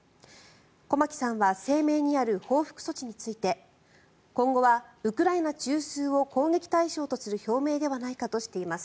駒木さんは声明にある報復措置について今後はウクライナ中枢を攻撃対象とする表明ではないかとしています。